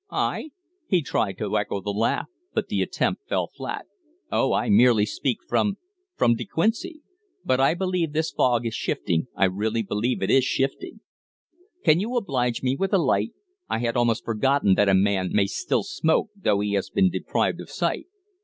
"I ?" He tried to echo the laugh, but the attempt fell flat. "Oh, I merely speak from from De Quincey. But I believe this fog is shifting I really believe it is shifting. Can you oblige me with a light? I had almost forgotten that a man may still smoke though he has been deprived of sight."